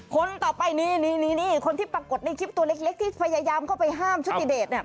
คนต่อไปนี่คนที่ปรากฏในคลิปตัวเล็กที่พยายามเข้าไปห้ามชุติเดชเนี่ย